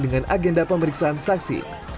dengan agenda pemeriksaan saksi